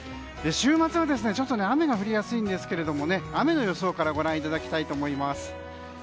週末は雨が降りやすいんですけど雨の予想からご覧いただきたいと思います。